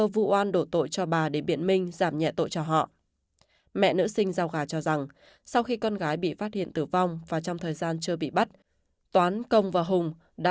vụ án này kéo dài đến nay đã hơn năm năm